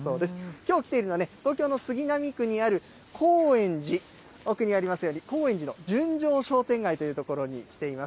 きょう来ているのは、東京の杉並区にある高円寺、奥にありますように、高円寺の純情商店街という所に来ています。